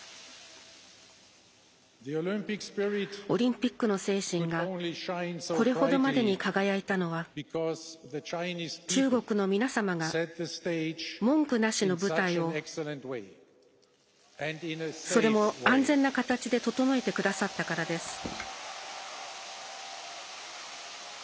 オリンピックの精神がこれほどまでに輝いたのは中国の皆様が文句なしの舞台をそれも、安全な形で整えてくださったからです。